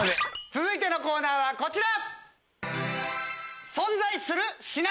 続いてのコーナーはこちら！